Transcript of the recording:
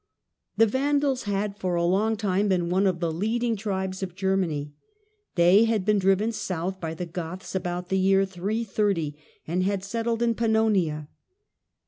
The Vandals had for a long time been one of the The V ann Mia leading tribes of Germany. They had been driven South by the Goths about the year 330 and had settled in Pannonia.